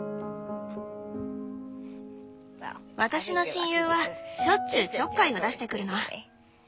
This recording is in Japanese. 私の親友はしょっちゅうちょっかいを出してくるの。